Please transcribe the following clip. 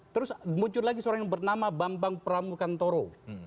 terus muncul lagi seorang yang bernama bambang pramukantoro